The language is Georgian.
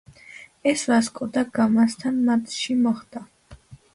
ეს „ვასკო და გამასთან“ მატჩში მოხდა.